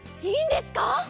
いいんですか？